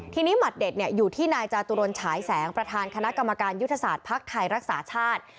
ทีนี้หมัดเด็ดอยู่ที่นายจาตุรนฉายแสงประธานคณะกรรมการยุทธศาสตร์ภักดิ์ไทยรักษาชาติ